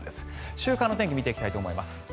週間天気を見ていきたいと思います。